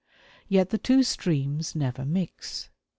Yet the two streams never mix.